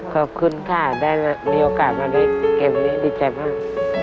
ขอบคุณค่ะได้มีโอกาสมาด้วยเกมนี้ดีใจมาก